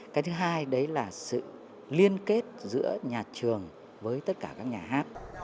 cái thứ hai đấy là sự liên kết giữa nhà trường với tất cả các nhà hát